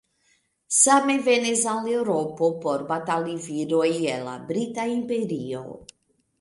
Same venis al Eŭropo por batali viroj el la Brita Imperio.